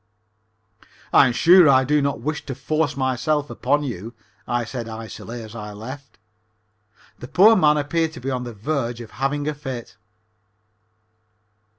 "I am sure I do not wish to force myself upon you," I said icily as I left. The poor man appeared to be on the verge of having a fit.